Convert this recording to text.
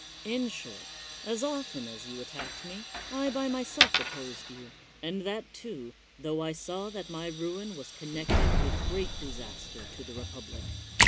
In short, as often as you attacked me, I by myself opposed you, and that, too, tho I saw that my ruin was connected with great disaster to the republic.